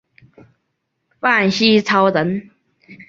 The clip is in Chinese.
范希朝人。